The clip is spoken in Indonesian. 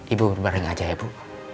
ibu bareng aja ya bu